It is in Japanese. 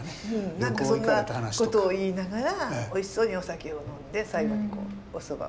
何かそんなことを言いながらおいしそうにお酒を飲んで最後にお蕎麦をね食べていかれる。